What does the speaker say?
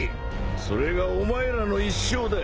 それがお前らの一生だ。